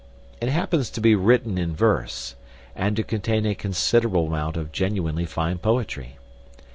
It happens to be written in verse, and to contain a considerable amount of genuinely fine poetry.